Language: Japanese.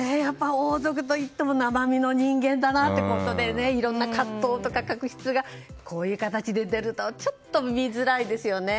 王族といっても生身の人間だなということでいろいろな葛藤とか確執がこういう形で出るとちょっと見づらいですよね。